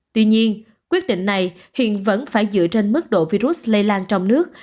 tuy nhiên quyết định này hiện vẫn phải dựa trên mức độ virus lây lan trong nước